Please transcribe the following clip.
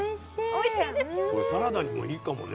これサラダにもいいかもね。